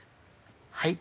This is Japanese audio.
はい。